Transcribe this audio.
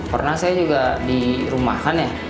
karena saya juga di rumah kan ya